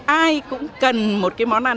ai cũng cần một cái món ăn